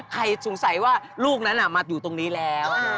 ใครสงสัยว่าลูกนั้นมาอยู่ตรงนี้แล้ว